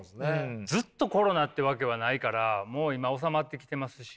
ずっとコロナってわけはないからもう今収まってきてますし。